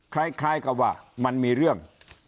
คล้ายกับว่ามันมีเรื่อง